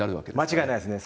間違いないですね。